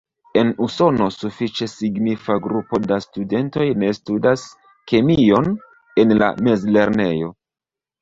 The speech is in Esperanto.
En Usono, sufiĉe signifa grupo da studentoj ne studas kemion en la mezlernejo.